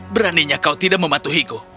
beraninya kau tidak mematuhiku